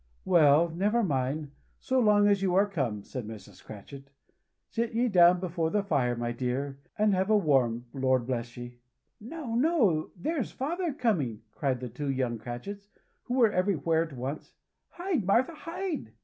"Well! never mind so long as you are come," said Mrs. Cratchit. "Sit ye down before the fire, my dear, and have a warm, Lord bless ye!" "No no! There's father coming," cried the two young Cratchits, who were everywhere at once. "Hide, Martha, hide!"